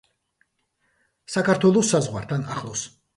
საქართველოს საზღვართან ახლოს.